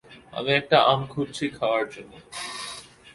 আমি একটা আম খুঁজছি খাওয়ার জন্য।